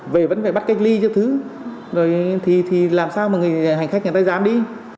về vẫn phải bắt cách ly theo thứ rồi thì làm sao mà hành khách người ta dám đi